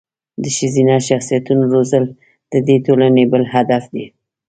د ښځینه شخصیتونو روزل د دې ټولنې بل هدف دی.